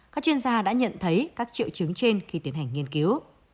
các chuyên gia đã nhận thấy các triệu chứng trên khi tiến hành nghiên cứu